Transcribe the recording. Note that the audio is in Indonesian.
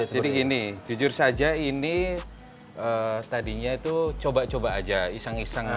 jadi gini jujur saja ini tadinya itu coba coba aja iseng iseng